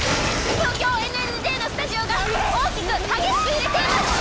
東京ＮＮＪのスタジオが大きく激しく揺れています！